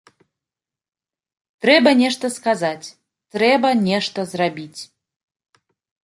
Трэба нешта сказаць, трэба нешта зрабіць.